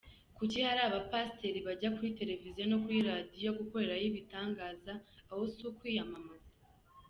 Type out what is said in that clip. Kuki hari abapasiteri bajya kuri Televiziyo no kuri Radiyo gukorerayo ibitangaza, aho si ukwiyamamaza?.